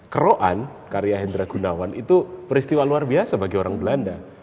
keroan karya hendra gunawan itu peristiwa luar biasa bagi orang belanda